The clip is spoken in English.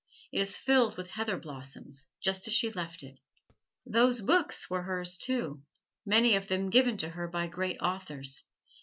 It is filled with heather blossoms just as she left it. Those books were hers, too many of them given to her by great authors.